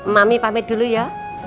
mami pamit dulu ya